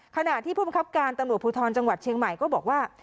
ขณะที่ผู้บังคับการตำรวจภูทรจังหวัดเชียงใหม่ก็บอกว่า